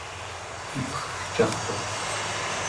ipegcartuq